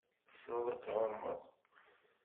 Tessneḍ ad tɛummeḍ?